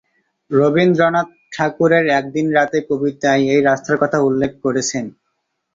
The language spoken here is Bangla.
রবীন্দ্রনাথ ঠাকুরের "একদিন রাতে" কবিতায় এই রাস্তার কথা উল্লেখ করেছেন।